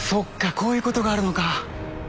こういうことがあるのか。